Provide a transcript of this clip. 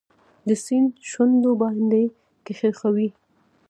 د سیند شونډو باندې کښېښوي